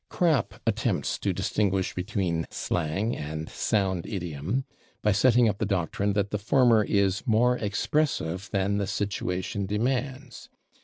Krapp attempts to distinguish between slang and sound idiom by setting up the doctrine that the former is "more expressive than the situation demands."